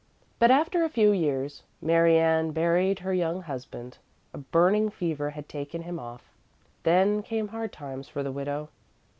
But after a few years Mary Ann buried her young husband; a burning fever had taken him off. Then came hard times for the widow.